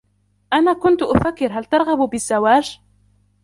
أنا كنت أفكر هل ترغب بالزواج؟